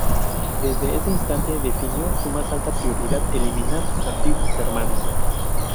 Desde ese instante definió su más alta prioridad, eliminar a sus antiguos hermanos.